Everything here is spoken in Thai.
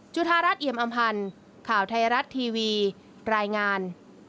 จุธารัฐเอียมอำพันธ์ข่าวไทยรัฐทีวีรายงาน